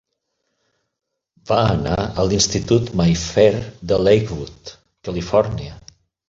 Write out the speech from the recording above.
Va anar a l'institut Mayfair de Lakewood, Califòrnia.